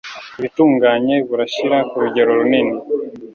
ibitunganye burashira ku rugero runini